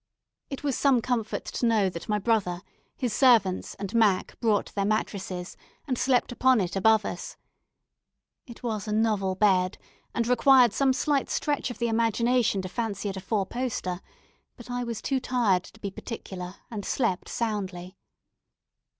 It was some comfort to know that my brother, his servants, and Mac brought their mattresses, and slept upon it above us. It was a novel bed, and required some slight stretch of the imagination to fancy it a four poster; but I was too tired to be particular, and slept soundly.